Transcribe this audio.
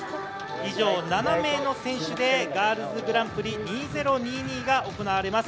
以上７名の選手でガールズグランプリ２０２２が行われます。